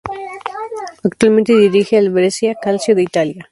Actualmente dirige al Brescia Calcio de Italia.